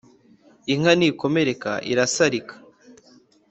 Inka ntikomereka irasarika